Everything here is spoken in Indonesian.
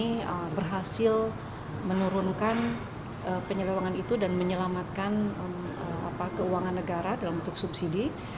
kita ingin berhasil menurunkan penyelewengan itu dan menyelamatkan keuangan negara dalam bentuk subsidi